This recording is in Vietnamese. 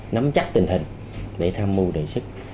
nắm chắc tình hình để tham mưu đề sức